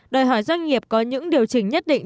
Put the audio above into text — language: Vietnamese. đòi hỏi doanh nghiệp có những điều chỉnh nhất định